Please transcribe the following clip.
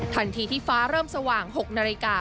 ทันทีที่ฟ้าเริ่มสว่าง๖นาฬิกา